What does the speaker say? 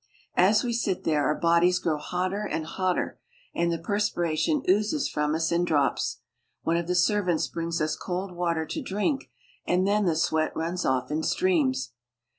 As we sit there our bodies grow hotter and hotter, and the perspiration oozes from ue in drops. One of the ser brings us cold water to drink, and then the sweat runs off in streams.